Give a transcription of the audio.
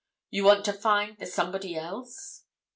"You want to find the somebody else?"